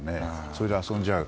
それで遊んじゃう。